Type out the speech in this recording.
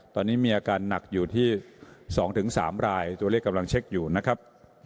ตอนนี้มีอาการหนักอยู่ที่๒๓รายตัวเลขกำลังเช็คอยู่นะครับ